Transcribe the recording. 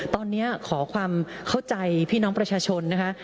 ตอนนี้ขอความเข้าใจพี่น้องประชาชนนะคะ